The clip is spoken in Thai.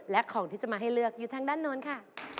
และของที่จะมาให้เลือกอยู่ทางด้านโน้นค่ะ